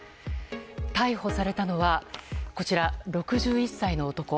逮捕されたのは６１歳の男。